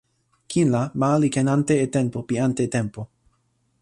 kin la, ma li ken ante e tenpo pi ante tenpo.